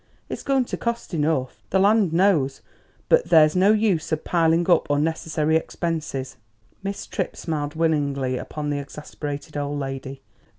It's going to cost enough, the land knows, but there's no use of piling up unnecessary expenses." Miss Tripp smiled winningly upon the exasperated old lady.